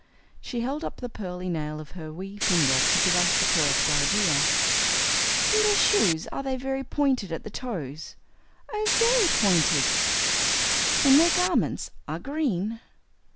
She held up the pearly nail of her wee finger to give us the correct idea. "And their shoes are very pointed at the toes?" "Oh, very pointed!" "And their garments are green?"